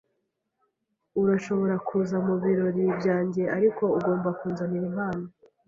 Urashobora kuza mubirori byanjye, ariko ugomba kunzanira impano.